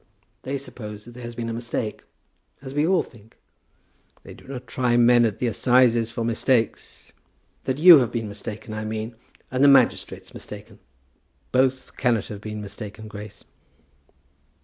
"They suppose that there has been a mistake; as we all think." "They do not try men at the assizes for mistakes." "That you have been mistaken, I mean; and the magistrates mistaken." "Both cannot have been mistaken, Grace."